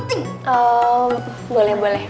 ehm boleh boleh